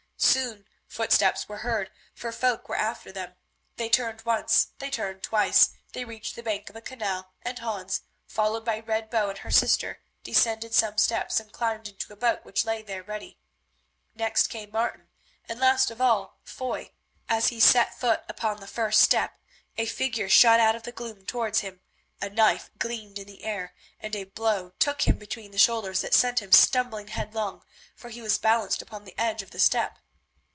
Soon footsteps were heard, for folk were after them. They turned once, they turned twice, they reached the bank of a canal, and Hans, followed by Red Bow and her sister, descended some steps and climbed into a boat which lay there ready. Next came Martin, and, last of all, Foy. As he set foot upon the first step, a figure shot out of the gloom towards him, a knife gleamed in the air and a blow took him between the shoulders that sent him stumbling headlong, for he was balanced upon the edge of the step.